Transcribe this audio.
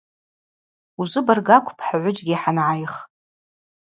Ужвыбырг акӏвпӏ хӏгӏвыджьгьи хӏангӏайх.